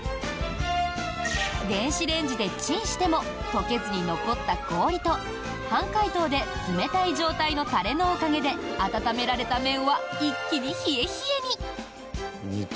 電子レンジでチンしても溶けずに残った氷と半解凍で冷たい状態のタレのおかげで温められた麺は一気に冷え冷えに！